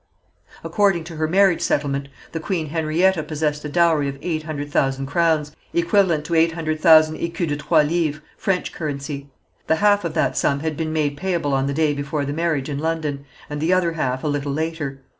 According to her marriage settlement the Queen Henrietta possessed a dowry of eight hundred thousand crowns, equivalent to eight hundred thousand écus de trois livres, French currency. The half of that sum had been made payable on the day before the marriage in London, and the other half a little later.